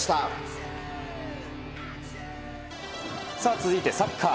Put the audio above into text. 続いてサッカー。